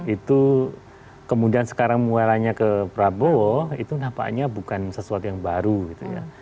itu kemudian sekarang muaranya ke prabowo itu nampaknya bukan sesuatu yang baru gitu ya